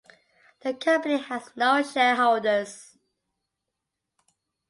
The company has no shareholders.